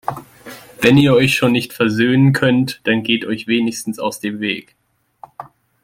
Wenn ihr euch schon nicht versöhnen könnt, dann geht euch wenigstens aus dem Weg!